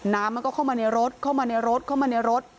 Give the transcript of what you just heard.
น้ำมันก็เข้ามาในรถเข้ามาในรถเข้ามาในรถ